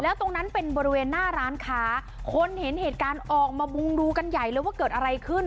ตรงนั้นเป็นบริเวณหน้าร้านค้าคนเห็นเหตุการณ์ออกมามุงดูกันใหญ่เลยว่าเกิดอะไรขึ้น